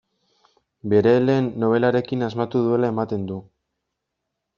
Bere lehen nobelarekin asmatu duela ematen du.